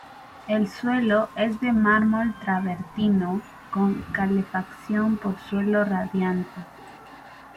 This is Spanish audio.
El suelo es de mármol travertino, con calefacción por suelo radiante.